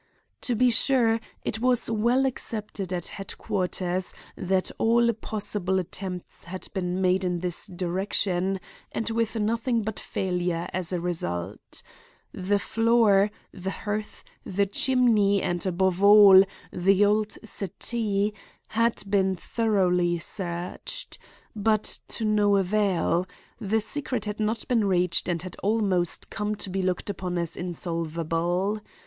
To be sure, it was well accepted at headquarters that all possible attempts had been made in this direction and with nothing but failure as a result. The floor, the hearth, the chimney, and, above all, the old settle, had been thoroughly searched. But to no avail. The secret had not been reached and had almost come to be looked upon as insolvable.